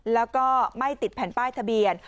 แล้วก็ไม่ติดแผ่นป้ายทะเบียน